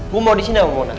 gua mau di sini om lemos